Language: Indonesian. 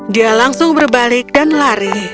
dia langsung berbalik dan lari